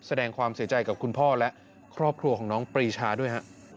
แสดงความเสียใจกับคุณพ่อและครอบครัวของน้องปรีชาด้วยฮะ